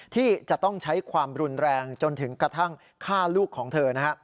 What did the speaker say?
ที่จะต้องใช้ความรุนแรงจนถึงกระทั่งฆ่าลูกของเธอ